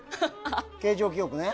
形状記憶ね。